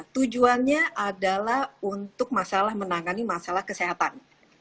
tujuannya adalah untuk masalah menangani masalah kesehatan